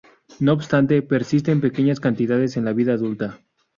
No obstante, persiste en pequeñas cantidades en la vida adulta.